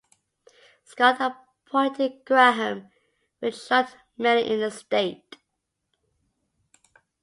Scott appointed Graham, which shocked many in the state.